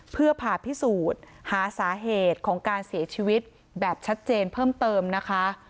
เพื่อผ่าพิสูจน์หาสาเหตุของการเสียชีวิตแบบชัดเจนเพิ่มเติมนะคะ